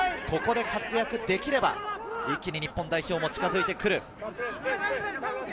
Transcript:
ここで活躍できれば一気に日本代表も近づいてくる。